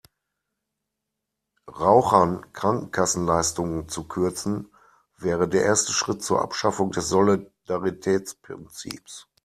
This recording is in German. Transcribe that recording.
Rauchern Krankenkassenleistungen zu kürzen, wäre der erste Schritt zur Abschaffung des Solidaritätsprinzips.